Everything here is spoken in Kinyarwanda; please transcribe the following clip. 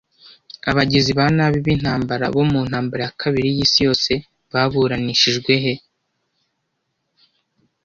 Abagizi ba nabi b'intambara bo mu Ntambara ya Kabiri y'Isi Yose baburanishijwe he